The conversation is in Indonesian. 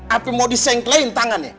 api mau disengklein tangannya